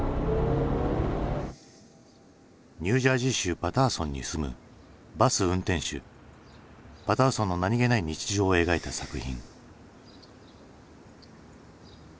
ニュージャージー州パターソンに住むバス運転手パターソンの何気ない日常を描いた作品。